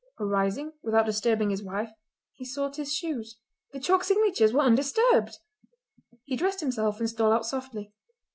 Arising, without disturbing his wife, he sought his shoes. The chalk signatures were undisturbed! He dressed himself and stole out softly.